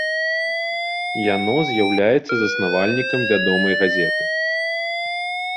Яно з'яўляецца заснавальнікам вядомай газеты.